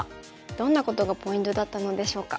どんなことがポイントだったのでしょうか。